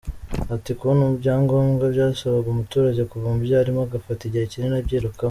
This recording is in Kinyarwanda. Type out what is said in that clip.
Ati” Kubona ibyangombwa byasabaga umuturage kuva mu byo arimo, agafata igihe kinini abyirukaho.